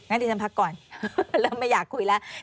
ดิฉันพักก่อนเริ่มไม่อยากคุยแล้ว